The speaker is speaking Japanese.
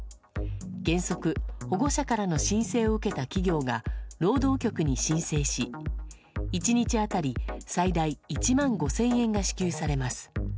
原則、保護者からの申請を受けた企業が、労働局に申請し、１日当たり最大１万５０００円が支給されます。